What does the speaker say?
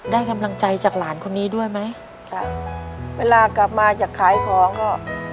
ได้กำลังใจจากหลานคนนี้ด้วยไหมค่ะเวลากลับมาจากขายของก็